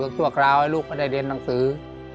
และกับผู้จัดการที่เขาเป็นดูเรียนหนังสือ